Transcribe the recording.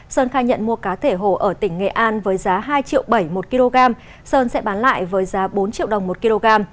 sơn khai nhận mua cá thể hổ ở tỉnh nghệ an với giá hai bảy triệu một kg sơn sẽ bán lại với giá bốn triệu đồng một kg